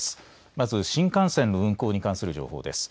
まず新幹線の運行に関する情報です。